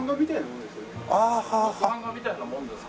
版画みたいなものですよね。